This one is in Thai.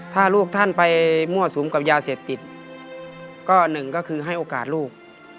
ถ้าลูกท่านไปมั่วสุมกับยาเสพติดก็หนึ่งก็คือให้โอกาสลูก